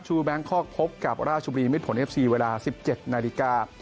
แบงคอกพบกับราชบุรีมิดผลเอฟซีเวลา๑๗นาฬิกา